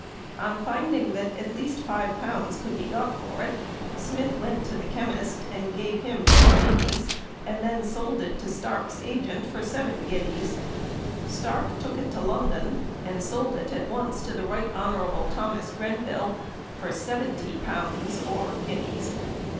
On finding that at least L5 could be got for it, Smith went to the chemist and gave him two guineas, and then sold it to Stark's agent for seven guineas. Stark took it to London, and sold it at once to the Rt. Hon. Thos. Grenville for seventy pounds or guineas.